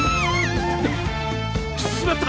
しまった！